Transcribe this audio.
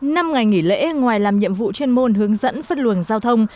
năm ngày nghỉ lễ ngoài làm nhiệm vụ chuyên môn hướng dẫn phân luồng giao thông